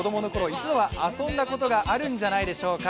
一度は遊んだことがあるんじゃないでしょうか。